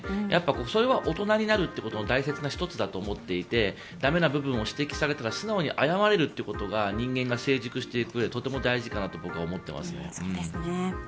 それは大人になることの大切な１つだと思っていて駄目なところを指摘されたら素直に謝れるということが人間が成熟していくうえでとても大事かなと僕は思っています。